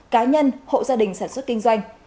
cá nhân hộ gia đình sản xuất kinh doanh